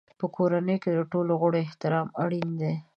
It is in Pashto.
په کورنۍ کې د ټولو غړو احترام اړین دی.